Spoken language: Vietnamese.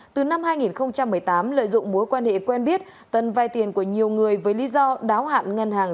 từ năm hai nghìn một mươi tám lợi dụng mối quan hệ quen biết tân vay tiền của nhiều người với lý do đáo hạn ngân hàng